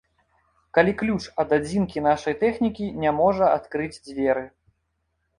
Калі ключ ад адзінкі нашай тэхнікі не можа адкрыць дзверы.